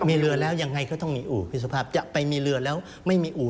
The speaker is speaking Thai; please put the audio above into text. มีเรือแล้วยังไงก็ต้องมีอู่พี่สุภาพจะไปมีเรือแล้วไม่มีอู่